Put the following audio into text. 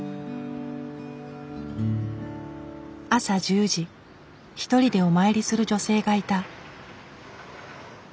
朝１０時１人でお参りする女性がいた。